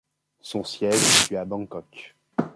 Son siège est situé à Bangkok.